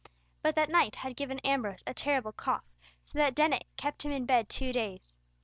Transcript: But that night had given Ambrose a terrible cough, so that Dennet kept him in bed two days.